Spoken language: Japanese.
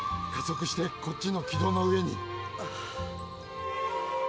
加速してこっちの軌道の上に。